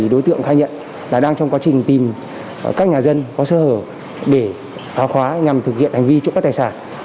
đối tượng khai nhận là đang trong quá trình tìm các nhà dân có sơ hở để phá khóa nhằm thực hiện hành vi trộm cắp tài sản